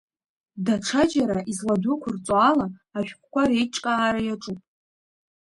Даҽаџьара изладәықәырҵо ала ашәҟәқәа реиҿкаара иаҿуп.